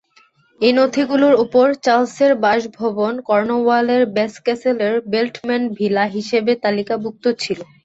এই নথিগুলোর ওপর চার্লসের বাসভবন কর্নওয়ালের বসক্যাসলের বেলমন্ট ভিলা হিসেবে তালিকাভুক্ত ছিল।